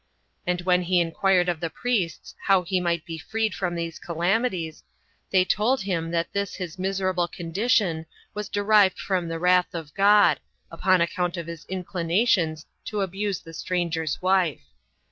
And when he inquired of the priests how he might be freed from these calamities, they told him that this his miserable condition was derived from the wrath of God, upon account of his inclinations to abuse the stranger's wife.